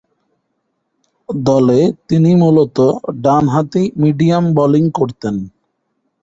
দলে তিনি মূলতঃ ডানহাতি মিডিয়াম বোলিং করতেন।